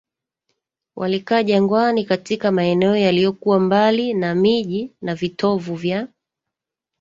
Walikaa jangwani katika maeneo yaliyokuwa mbali na miji na vitovu vya